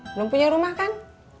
belum punya rumah kan